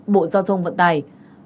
bộ giao thông vận tài